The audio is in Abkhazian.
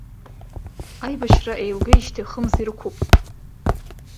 Аибашьра еилгеижьҭеи хымз ирықәуп.